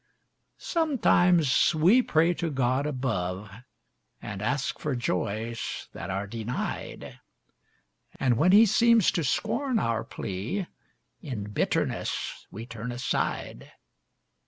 ] Sometimes we pray to God above and ask for joys that are denied, And when He seems to scorn our plea, in bitterness we turn aside.